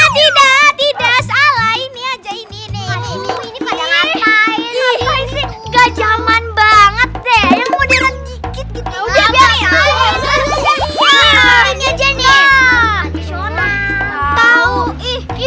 tidak tidak salah ini aja ini ini ini pada ngapain ngapain sih nggak jaman banget deh